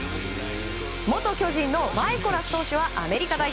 元巨人のマイコラス投手はアメリカ代表。